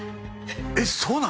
えっそうなの！？